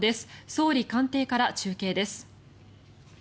総理官邸から中継です。